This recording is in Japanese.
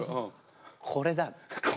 「これだ」！